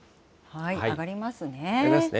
上がりますね。